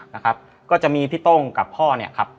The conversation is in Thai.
นะครับก็จะมีพี่ต้งกับพ่อเนี่ยครับ